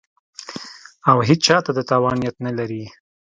او هېچا ته د تاوان نیت نه لري